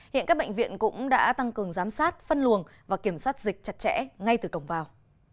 hiện các bệnh viện cũng đã tăng cường giám sát phân luồng và kiểm soát dịch chặt chẽ ngay từ cổng vào